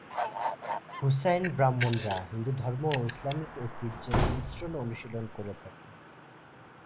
হুসাইন ব্রাহ্মণরা হিন্দুধর্ম ও ইসলামী ঐতিহ্যের মিশ্রণ অনুশীলন করে থাকে।